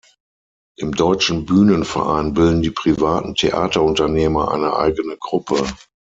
Im Deutschen Bühnenverein bilden die privaten Theaterunternehmer eine eigene Gruppe.